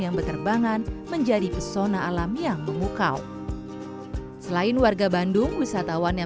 yang berterbangan menjadi pesona alam yang memukau selain warga bandung wisatawan yang